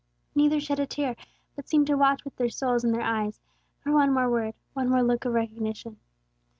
Neither shed a tear, but seemed to watch with their souls in their eyes, for one more word, one more look of recognition.